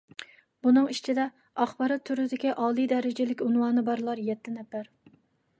بۇنىڭ ئىچىدە، ئاخبارات تۈرىدىكى ئالىي دەرىجىلىك ئۇنۋانى بارلار يەتتە نەپەر.